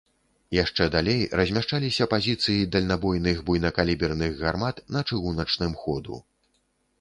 Яшчэ далей размяшчаліся пазіцыі дальнабойных буйнакаліберных гармат на чыгуначным ходу.